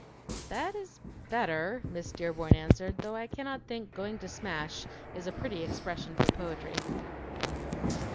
"That is better," Miss Dearborn answered, "though I cannot think 'going to smash' is a pretty expression for poetry."